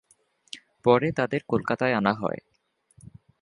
পরে তাদের কলকাতায় আনা হয়।